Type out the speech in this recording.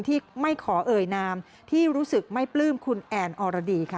ที่ไม่ขอเอ่ยนามที่รู้สึกไม่ปลื้มคุณแอนอรดีค่ะ